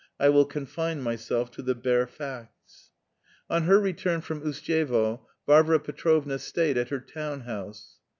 I will confine myself to the bare facts. On her return from Ustyevo, Varvara Petrovna stayed at her town house.